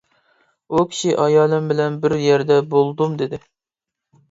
ئۇ كىشى: «ئايالىم بىلەن بىر يەردە بولدۇم» دېدى.